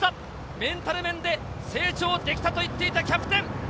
メンタル面で成長できたと言っていたキャプテン。